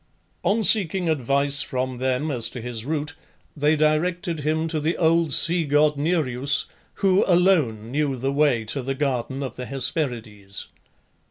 On seeking advice from them as to his route, they directed him to the old sea god Nereus, who alone knew the way to the Garden of the Hesperides.